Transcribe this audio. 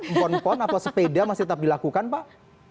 mpon mpon atau sepeda masih tetap dilakukan pak